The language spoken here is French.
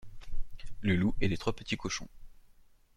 Le loup et les trois petits cochons.